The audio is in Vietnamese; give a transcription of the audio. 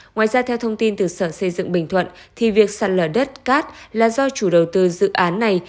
ngoài ra theo thông tin từ sở xây dựng bình thuận thì việc sạt lở đất cát là do chủ đầu tư dự án này